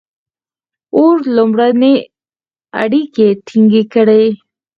• اور لومړنۍ اړیکې ټینګې کړې.